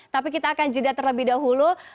tapi kita akan jeda terlebih dahulu